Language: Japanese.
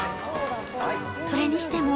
それにしても、